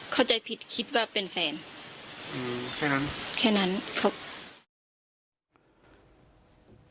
เข้าใจผิดคิดว่าเป็นแฟนอืมแค่นั้นแค่นั้นครับ